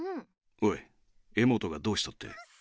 おいエモトがどうしたって？